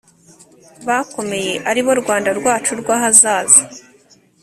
bakomeye aribo Rwanda rwacu rw ahazaza